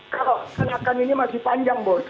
kan akan ini masih panjang bos